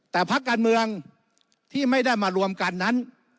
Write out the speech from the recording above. แต่พักการเมืองที่ไม่ได้มารวมกันนั้น